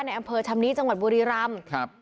อำเภอชำนี้จังหวัดบุรีรำครับ